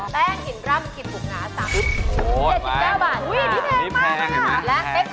แป้งกินร่ำกินบูงงาต่ำครึ่ง๑๙บาทอันนี้แพงมากค่ะโอ้โฮโหมาก